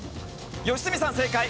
良純さん正解。